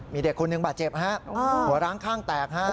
มีเด็กคนหนึ่งบาดเจ็บฮะหัวร้างข้างแตกฮะ